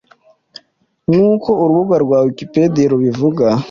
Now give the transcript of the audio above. Nk’uko urubuga rwa Wikipedia rubivuga